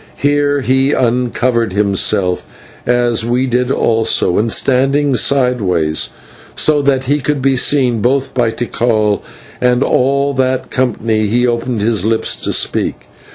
Here he uncovered himself, as we did also, and standing sideways, so that he could be seen both by Tikal and all that company, he opened his lips to speak.